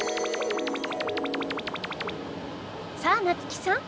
さあ夏木さん